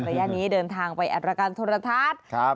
ระยะนี้เดินทางไปอัตรการโทรทัศน์